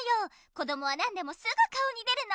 こどもは何でもすぐ顔に出るの。